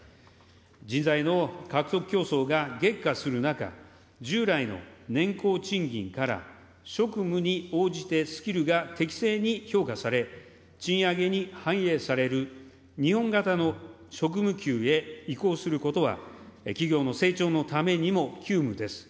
人材の獲得競争が激化する中、従来の年功賃金から、職務に応じてスキルが適正に評価され、賃上げに反映される、日本型の職務給へ移行することは、企業の成長のためにも急務です。